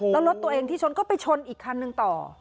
แล้วรถตัวเองที่ชนก็ไปชนอีกคันหนึ่งต่อ